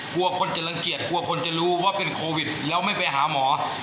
กลัวคนจะรังเกียจกลัวคนจะรู้ว่าเป็นโควิดแล้วไม่ไปหาหมอ